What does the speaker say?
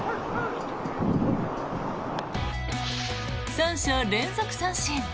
３者連続三振。